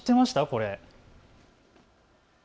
これ。